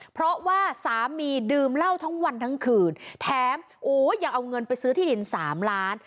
เพราะว่าสามีดื่มเหล้าทั้งวันทั้งคืนแถมโอ้ยังเอาเงินไปซื้อที่ดินสามล้าน